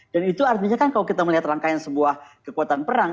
dan itu artinya kan kalau kita melihat rangkaian sebuah kekuatan perang